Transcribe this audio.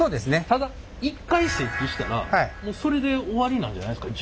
ただ一回設置したらもうそれで終わりなんじゃないですか？